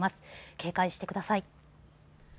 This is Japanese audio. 警戒してください。